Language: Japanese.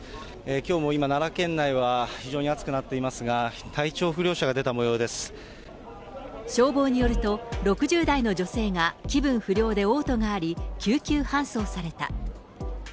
きょうも今、奈良県内は非常に暑くなっていますが、消防によると、６０代の女性が気分不良でおう吐があり、救急搬送された。